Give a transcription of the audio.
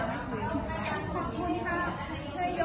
ต้องคุยกันไปกันพอคุยกันจังนะครับ